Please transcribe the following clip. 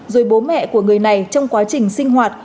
rồi bố mẹ của người này trong quá trình sinh hoạt